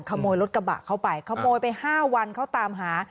ขโมยรถกระบะเข้าไปขโมยไป๕วันเขาตามหา